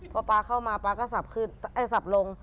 พอป๊าเข้ามาป๊าก็สับขึ้นไอ้สับลง